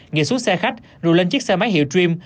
nhảy xuống xe khách rồi lên chiếc xe máy hiệu dream